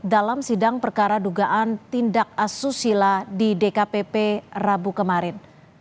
dalam sidang perkara dugaan tindak asusila di dkpp rabu kemarin